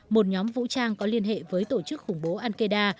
một nhóm vũ trang có liên hệ với tổ chức khủng bố al qaeda